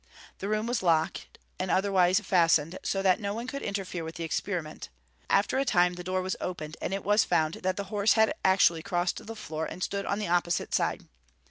The room was locked, and otherwise fastened, so that no one could interfere with the experiment. After a time the door was opened, and it was found that the horse had actually crossed the floor, and stood on the opposite side.